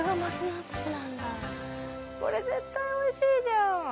これ絶対おいしいじゃん。